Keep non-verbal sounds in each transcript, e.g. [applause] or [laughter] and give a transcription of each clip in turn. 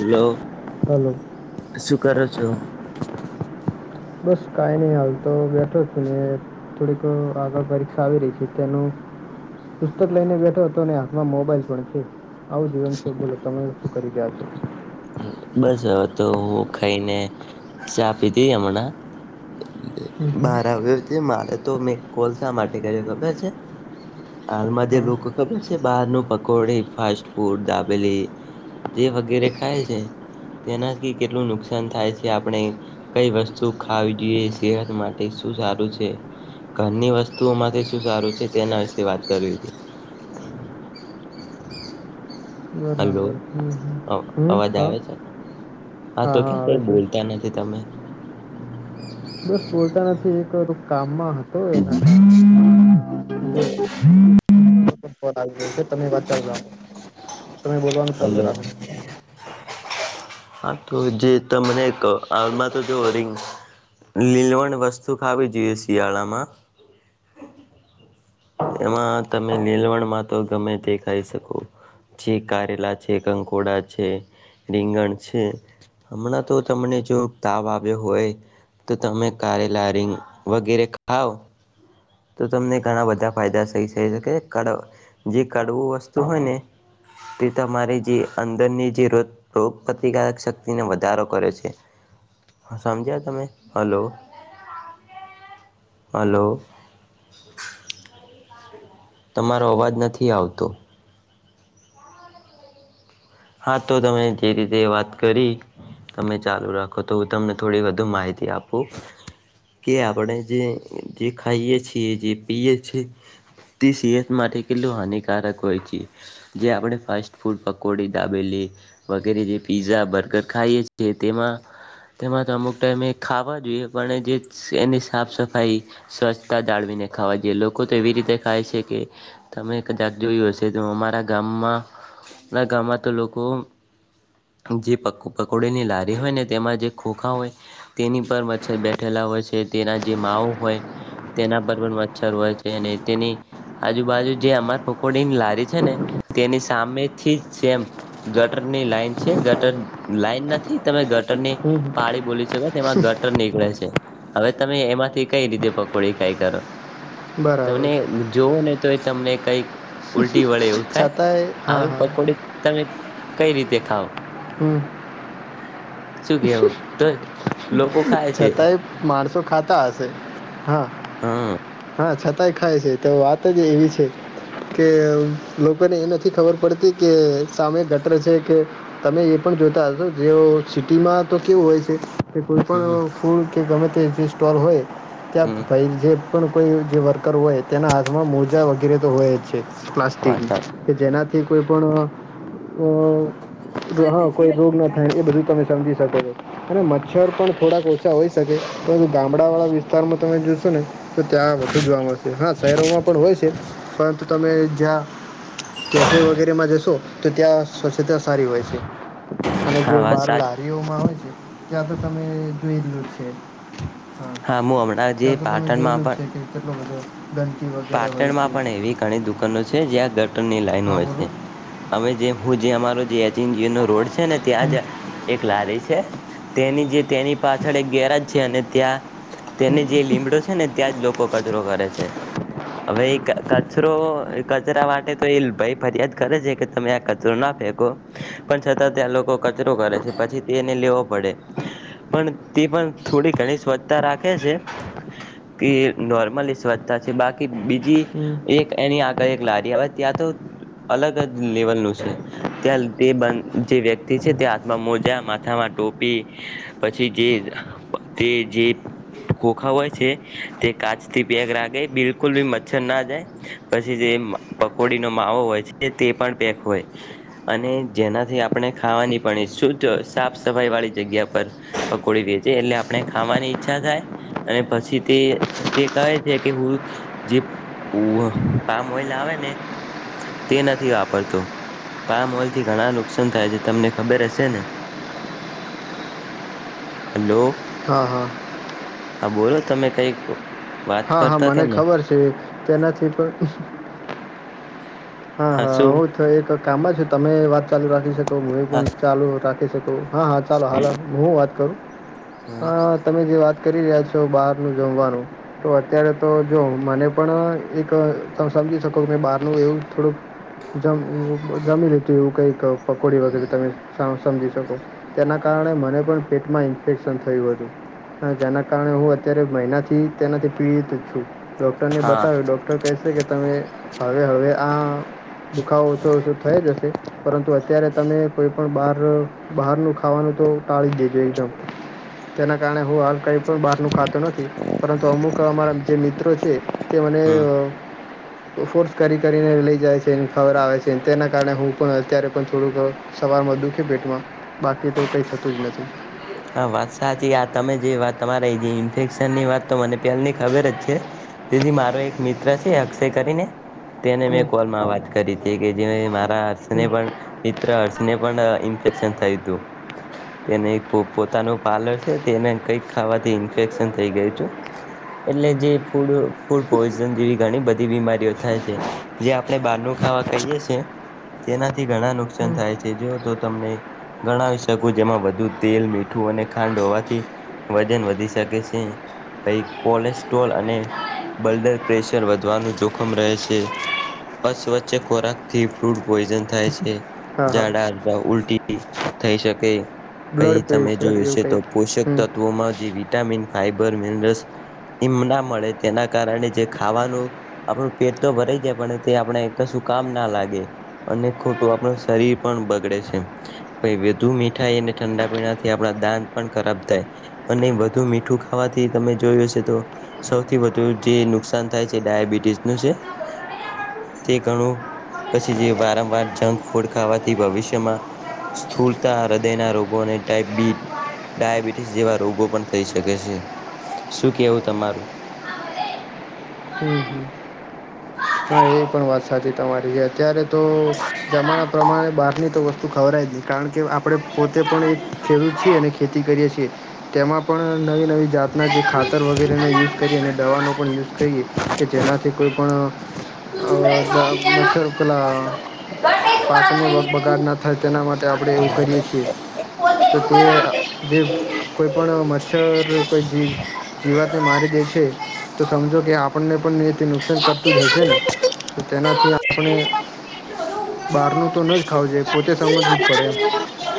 Hello, hello શું કરો છો? બસ કઈ નહી હાલ તો બેઠો છું. થોડીક આગળ પરીક્ષા આવી રહી છે તેનું પુસ્તક લઈને બેઠો હતો અને હાથમાં મોબાઈલ પણ છે. આવું જીવનશો બોલો તમે શું કરી ગયા છો? બસ હવે તો હું ખાઈને, ચા પીધી હમણાં. એટલે હમ બાર હમ આવ છે મારે તો મેં કોલ શા માટે કર ખબર છે? આલમાં જે હા લોકો ખબર છે બહાર ન પકોડે ફાસ્ટ ફૂડ દાબેલી, જે વગેરે ખાય છે. તેનાથી કેટલું નુકસાન થાય છે આપણે કઈ વસ્તુ ખાવી જોઈએ સેહત માટે શું સારું છે. ઘરની વસ્તુઓમાંથી શું સારું છે તેના વિશે વાત કરવી હતી. હલો બરાબર હમ હમ અ હમ અવાજ હા આવે છે. હા તો ક્યામ કઈ બોલતા નથી તમે. બસ બોલતા નથી એક કામમાં હતો એના. છે તમે વાત ચાલ તમે બ [inaudible] હલો. હા તો જે તમને ક આમા તો જો રિંગ લીલવણ વસ્તુ ખાવી જોઈએ શિયાળામાં એમાં તમે નીલવણમાં તો ગમે તે ખાઈ શકો. છે કારેલા છે કંકોડા છે રીંગણ છે. હમણાં તો તમને જો તાવ આવ્યો હોય તો તમે કારેલા રિંગ વગેરે ખાઓ તો તમને ઘણા બધા ફાયદા થઈ થ શકે કડ જે કડવું વસ્તુ હોય ને તે તમારે જે અંદરની જે રત રોગપ્રતિકારક શક્તિને વધારો કરે છે સમજ્યા તમે હલો હલો તમારો અવાજ નથી આવતો હા તો તમે કેવી રીતે વાત કરી. તમે ચાલુ રાખો તો હું તમને થોડી વધુ માહિતી આપું. કે આપણે જે જે ખાઈએ છીએ જે પીએ છીએ તે સીહત માટે કેટલું હાનિકારક હોય છે જે આપણે ફાસ્ટ ફૂડ પકોડી ડાબેલી વગેરે જે પીઝા બર્ગર ખાઈએી તેમાં તેમાં તો અમુક ટાઈમે ખાવા જોઈએ પણ જે એની સાફ સફાઈ સ્વચ્છતા જાળવીને ખાવા જઈએ લોકો તો એવી રીતે ખાય છે કે તમે કજાક જોયું હશે તો અમારા ગામમાં અમારા ગામમાં તો લોકો જે પકો પકોડેની લારી હોય ને તેમાં જે ખોખા હોય તેની પર મચ્છર બેઠેલા હોય છે તેના જે માઓ હોય તેના પર પણ મચ્છર હોય છે અને તેની આજુબાજુ જે અમાર પકોડીની લારી છે ને તેની સામેથી જ સેમ ગટર ની લાઈન છે હા ગટર લાઈન નથી તમે ગટ ગટર ની હમ હમ પાળી બોલી શકે તેમાં ગટર નીકળે છે. હવે તમે એમાંથી કઈ રીતે પકોડી ખાઈ કરો બરાબર તમને જોવુ ને તો એ તમને કઈક ઉલટી વડે એવું થાય છતાંય હા આવી હા પકોડી તમે કઈ રીતે ખાવ. હમ શું કેવું તો લોકો ખાય છે છતાંય. માણસો ખાતા હશે હા. હા. હ છતાંય ખાય છે તો વાત જ એવી છે. કે લોકોને એ નથી ખબર પડતી કે સામે ગટર છે કે તમે એ પણ જોતા હશો જેઓ સિટીમાં તો કેવું હોય છે કે કોઈ હમ પણ ફૂડ કે ગમે તે જે સ્ટોર હોય ત્યાં હમ ભાઈ જે પણ કોઈ જે વર્કર હોય તેના હાથમાં મોજા વગેરે તો હોય જ છે પ્લાસ્ટિક વાત ના સાચી. કે જેનાથી કોઈ પણ અ જો હા કોઈ રોગ ન થાય એ બધું તમે સમજી શકો છો અને મચ્છર પણ થોડાક ઓછા હોઈ શકે તો ગામડા વાળા વિસ્તારમાં તમે જોશો ને તો ત્યાં વધુ જોવા મળશે હા શહેરોમાં પણ હોય છે પરંતુ તમે જ્યાં કેફે વગેરેમાં જશો. તો ત્યાં સ્વચ્છતા સારી હોય છે અને હા જો વાત બહાર સાચ લાવે. લીવ મા હોય છે ત્યાં તો તમે જોઈલું છે. હા હું હમણાં જે ત્યા તો તમે પાટણમાં જોયલું પણ છે કે કેટલો બધો. વગેરે હોય પાટણમાં છે પણ એવી ઘણી દુકાનો છે જ્યાં ગટન ની લાઈન હા હોય બોલો છે. અમે જે હું જે અમારો જે આર સી સી નો રોડ છે ને ત્યાં હમ. જ. એક લારી છે તેની જે તેની પાછળ એક ગેરજ છે અને ત્યાં. તેને જે લીમડો છે ને ત્યાં જ લોકો કચરો કરે છે. હવે કચરો કચરા માટે તો એ ભાઈ ફરિયાદ કરે છે કે. તમે આ કચરો ના ફેંકો. પણ છતાં ત્યાં લોકો કચરો કરે છે પછી તે એને લેવો પડે. પણ તે પણ થોડી ઘણી સ્વચ્છતા રાખે છે. કે નોર્મલી સ્વચ્છતા છે બાકી બીજી હમ. એક. એની આગળ એક લારી આવે ત્યાં તો અલગ જ લેવલ નું છે. ત્યાં તે બ જે વ્યક્તિ છે તે હાથમાં મોજા માથામાં ટોપી. પછી જે તે જે. કોોખા હોય છે તે કાચથી પેગ રાાગે બિલકુલ બી મચ્છર ના જાય. પછી જે પકોડીનો માવો હોય છે તે પણ પેક હોય. અને જેનાથી આપણે ખાવાની પણ શુદ્ધ સાફ સફાઈવાળી જગ્યા પર. પકોડી વેચે એટલે આપણે ખાવાની ઈચ્છા થાય અને પછી તે તે કહે છે. કે હું જે પામ ઓઈલ આવે ને. તે નથી વાપરતો પા મોલ થી ઘણા નુકસાન થાય છે તમને ખબર હશે ને. [inaudible] હલો. હા હા. હા બોલો તમે કંઈક વાત. હા હા કરતા મને કેમ ખબર છે તેના થી પણ. હા હા હું તો એક કામ જ તમે વાત ચાલુ રાખી શકો હ એ પણ ચાલુ રાખી શકું. હા હા ચાલો હાલો હું વાત કરું હા. તમે જે વાત કરી રહ્યા છો બહારનું જમવાનું. તો અત્યારે તો જોઓ મને પણ એક ત સમજી શકો મેં બહારનું એવું થોડુંક. જેમ જમી લીધું એવું કઈક પકોડી વગેરે તમે. સમજી શકો તેના કારણે મને પણ પેટમાં ઇન્ફેક્શન થયું હતું. હા જેના કારણે હું અત્યારે મહિનાથી તેનાથી. પીડિત છું ડોક્ટરને હા બતાવ્યો ડોક્ટર કહેશે કે તમે હવે હવે આ. દુખાવો ઓછો ઓછો થઈ રયો છે પરંતુ અત્યારે તમે કોઈ પણ બાર. બહારનું ખાવાનું તો ટાળી દેજો એકદમ. તેના કારણે હું હાલ કઈ પણ બહાર નું ખાતોું નથી પરંતુ અમુક. અમારા જે મિત્રો છે તે મને હમ ફોર્સ કરી કરીને લઈ જાય છે. છેને ખવડાવે છે તેના કારણે હું પણ અત્યારે પણ થોડુંક. સવારમાં દુખેડ પેટમાં બાકી તો કઈ થતું જ નથી. હા વાત સાચી આ તમે જે વાત તમારે જે ઇન્ફેક્શન ની વાત તો મને પહેલની ખબર જ છે. તેથી મારો એક મિત્ર છે અક્ષય કરીને. તેને હમ મેં કોલમાં વાત કરી હતી કે જે મારા હર્ષને હમ પણ. તર અરસને પડ ન્ફેક્ષન થાયું. તેને પોતાનું પાર્લર છે તેને કંઈક ખાવાથી ઇન્ફેક્શન થઈ ગયું છું. એટલે જે ફૂડ ફૂડ પોઈઝન જેવી ઘણી બધી બીમારીઓ થાય છે. જે આપણે બહારનું ખાવા કહીએ છ છે. તેનાથી ઘણા નુકસાન હમ થાય છે જોઓ તો તમને ઘણા વિ શકો જેમાં. તેલ મીઠું અને ખાંડ હોવાથી વજન વધી શકે છે. ભાઈ કોલેસ્ટ્રોલ અને. બલડર પ્રેશર વધવાનું જોખમ રહે છે. પશ વચ્ચે ખોરાકથી ફ્રૂડ પોઈઝન થાય છે. હા હા ઝડા ઉલટી થઈ શકે. પછ બ્લડ તમે પ્રેશર જોયું એવું છે તો કંઈક પોષક હમ તત્વોમાં જે વિટામિન ફાઈબર મિનરસ. ઇમ ના મળે તેના કારણે જે ખાવાનું આપણું પેટ તો ભરાઈ જાય પણ તે આપણે કશું કામ ના લાગે. અને ખોટું આપણું શરીર પણ બગડે છે, પ વધુ મીઠાઈને ઠંડા પીણા થી આપણા દાંત પણ ખરાબ થાય. અને વધુ મીઠું ખાવાથી તમે જોયું હશે તો સૌથી વધુ જે નુકસાન થાય છે ડાયાબિટીસ નું છે, તે ઘણું પછી જે વારંવાર જંક ફૂડ ખાવાથી ભવિષ્યમાં, સ્થૂળતા હૃદયના રોગ ટ બી ડાયાબિટીસ જેવા રોગો પણ થઈ શકે છે. શું કેવું તમારું. હમ હમ. હા એ પણ વાત સાચી તમારી છે, અત્યારે તો જમાના પ્રમાણે બહારની તો વસ્તુ તો ખબરાય જ નહીં કારણ કે આપણે પોતે પણ એક ખેડૂત છીએ અને ખેતી કરીએ છીએ. તેમાં પણ નવી નવી જાતના જે ખાતર વગેરેનો યુઝ કરીએ અને દવાનો પણ યુઝ કરીએ. કે જેનાથી કોઈ પણ અ મચ્છર પટલા પાકને બગાડ ના થાય તેના માટે આપણે એવું કરીએ છીએ. તો તે જે કોઈ પણ મચ્છર કોઈ જી જીવાતને મારી દે છે, તો સમજો કે આપણને પણ નુકસાન કરતું જ હશે. ને તો તેનાથી આપણે બહારનું તો ન જ ખાવજે પોતે સમજવું જ પડે.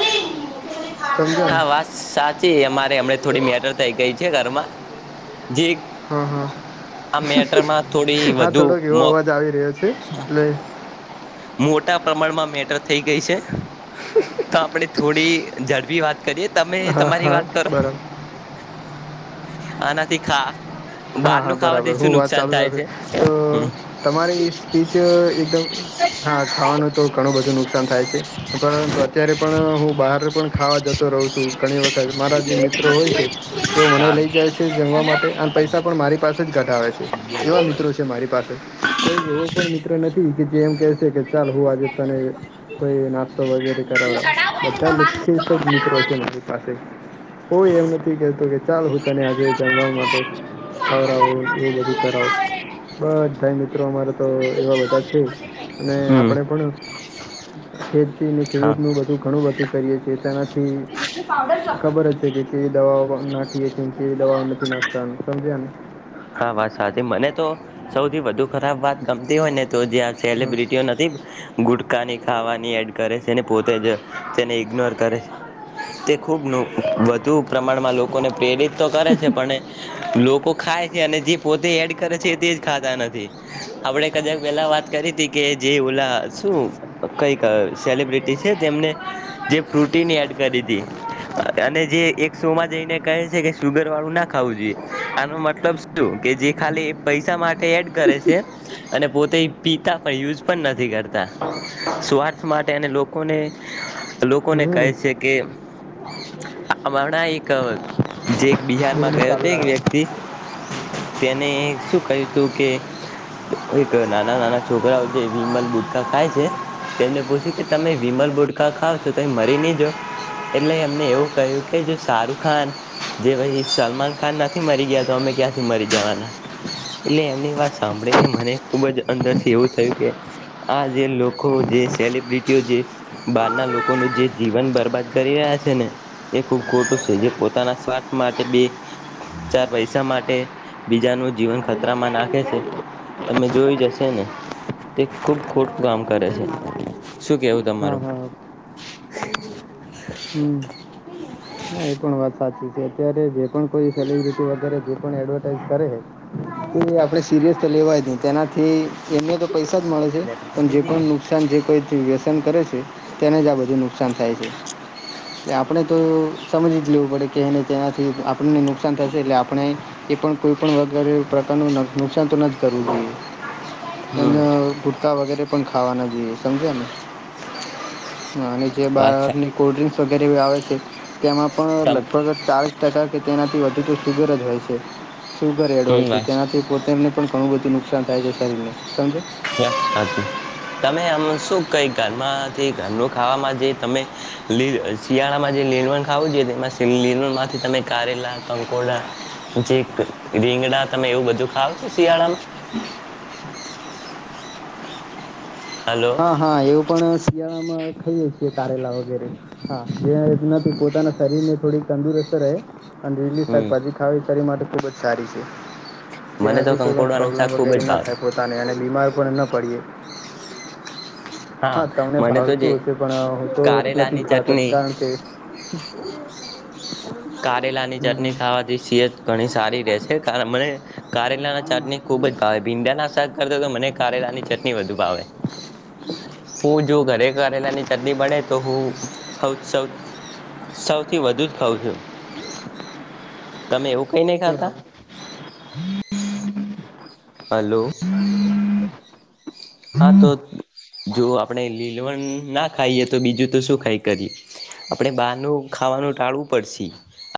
[unintelligible] સમજ્યા ને હા વાત સાચી અમારે હમને થોડી મેટર થઈ ગઈ છે ઘરમાં, જે હા હા આ મેટરમાં થોડી હા વધુ થોડોક એવો મોપ અવાજ આવી રહ્યો છે એટલે મોટા પ્રમાણમાં મેટર થઈ ગઈ છે. તો આપણે થોડી ઝડપી વાત કરીએ તમે હા તમારી હા વાત કરો. બરાબર આનાથી ખા હા બહાર હા નું બરાબર ખાવાથી શું હું વાત નુકસાન ચાલુ થાય છે? રાખું તો હમ. તમારી સ્પીચ એકદમ હા તછા [unintelligible] ખાવાનું તો ઘણું બધું નુકસાન થાય છે, પરંતુ અત્યારે પણ હું બહાર પણ ખાવા જતો રહ છું ઘણી વખત મારા જે મિત્રો હોય છે, તેઓ મને ચાલ. લઈ જાય છે જમવા માટે અને પૈસા પણ મારી પાસે જ ઘટાવે છે, એવા મિત્રો છે મારી પાસે, એવો પણ નથી કે જે એમ કે કે હમ હા ચાલ હું આજે તને કોઈ નાસ્તો વગેરે પાવડર ચો બધાખ હા મિત પાસે કોઈ એમ નથી કેતો કે ચાલ હું તને આજે જણવા માટે આવ રહો નું મધુ કરો. બસ ભાઈ મિત્રો અમારા તો એવા બધા છે, અને આપણે પણ ખેતીને ખેડૂત નું બધું ઘણું બધું કરીએ છીએ તેનાથી ખબર જ છે કે કેવી દવાઓ નાખીએીએ કેવી દવાઓ નથી નાખતા સમજ્યા ને હા વાત સાચી મને તો, સૌથી વધુ ખરાબ વાત ગમતી હોય ને તો જ્યા હા સેલિબ્રિટીઓ નથી ગુટકાાની ખાવાની એડ કરે છે અને પોતે, જ તેને ઇગ્નોર કરે છે. તે ખૂબ વધુ પ્રમાણમાં લોકોને પ્રેરિત તો કરે છે પણ લોકો ખાય છે અને જે પોતે એડ કરે છે તેજ ખાતા નથી. આપડે કદાચ પેલા વાત કરી હતી કે જે ઓલા શું કઈક સેલિબ્રિટી છે, તેમને જે ફ્રુટીન એડ કરી હતી. અને જે એક સોમાં જઈને કહે છે કે સુુગર વાળું ના ખાવું જોઈએ, આનો મતલબ- શું કે જે ખાલી પૈસા માટે એડ કરે છે. અને પોતે પીતા પણ યુઝ પણ નથી કરતા, સ્વાર્થ માટે એ લોકો લોકોને લોકોને કહે હમ છે, કેણા એક જે એક બિહાર માં બિઝનેસ ગયો ચાલુ હતો એક રાખજો વ્યક્તિ તેને શું કહ્યું તું કે એક નાના નાના છોકરાઓ જે વિમલ બુટકા ખાય છે તેમને પૂછ્યું કે તમે વિમલ બુટકા ખાવ છો તો મરી નહી જો એટલે એમને એવું કહ્યું કે જો શાહરખ ખાન જે ભાઈ સલમાન ખાન નથી મરી ગયા તો અમે ક્યાંથી મરી જવાના એટલે એમની વાત સાંભળીને મને ખુબ જ અંદર થી એવું થયું કે આ જે લોકો જે સેલિબ્રિટીઓ જે બહાર ના લોકોનું જે જીવન બરબાદ કરી રહ્યા છે ને એ ખૂબ ખોટું છે જે પોતાના સ્વાસ્થ માટે બી ચાર પૈસા માટે બીજાનું જીવન ખતરા માં નાખે છે તમે જોઈ જશે ને તે ખુબ ખોટ કામ કરે છે શું કેવું હા તમારું હા હમ હા એ પણ વાત સાચી છે. અત્યારે જે પણ કોઈ સેલિબ્રિટી વગેરે જે પણ એડવર્ટાઈઝ કરે એ આપડે સીરિયસ તો લેવાય ની તેનાથી એમને તો પૈસા જ મળે છે પણ જે પણ નુકસાન જે કોઈથી વ્યસન કરે છે તેને જ આબ જે નુકસાન થાય છે. એટલે આપણે તો સમજી જ લેવું પડે કે એને તેનાથી આપણને નુકસાન થશે એટલે આપણે એ પણ કોઈ પણ વગારે પ્રકારનું નુકસાન તો ન જ કરવું જોઈએ હમ અને ગુટકા વગેરે પણ ખાવાના જોઈએ સમજ્યા ને અને જે વાત બારની કોલ્ડ્રિંક વગેરે આવે છે તેમાં પણ લગભગ ચાલીસ ટકા કે તેનાથી વધુ તો સુુગર જ હોય છે સુગર એડ હમ હોય છે વાત તેનાથી એ પોતે એને પણ ઘણું બધું નુકસાન થાય છે શરીરને સમજે [unintelligible] તમે આમ શું કઈ ઘરમાંથી ઘરનું ખાવામાં જે તમે શિયાળામાં જે લીલવણ ખાવું જો તેમાં લીણણ માંથી તમે કારેલા કંકોડા જે રીંગડા તમે એવું બધું ખાવ છો શિયાળામાં? હલો હા હા એવું પણ શિયાળામાં ખાઈએ છીએ કારેલા વગેરે હા પોતાના શરીર ને થોડીક તંદુરસ્ત રહે અને લીલી હમ શાકભાજી ખાવી શરીર માટે ખૂબજ સારી છે મને તો તેનાથી કોઈ પણ કંકોડવાનું શાક પ્રોબ્લેમ ખુબ જ વગેરે ના ભાવે થાય પો તાને એને બીમાર પણ ન પડીએ હા, તમને મને તો જે ભાવતું હશે, પણ હું તો નથી કારેલાની ખાતો, ચટણી કારણ કે [inaudible] કારેલાની હમ હમ ચટણી ખાવાથી સીહત ઘણી સારી રહેશે કારણ મને. કારેલાની ચટણી ખૂબ જ ભાવે ભીંડા ના શાક કરતા તો મને કારેલા ની ચટણી વધુ ભાવે. હુ જો ઘરે કરેલાની ચટણી બને તો હુ સૌથી વધુ જ ખઉં છું. તમે એવું કઈ ને બરાબર હલો હા તો જો આપણે લીલવણ ના ખાઈએ તો બીજું તો શું ખાઈ કરીએ આપણે બહારનું ખાવાનું ટાળવું પડશે